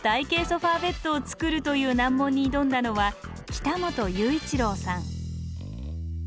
ソファーベッドをつくるという難問に挑んだのは北本雄一郎さん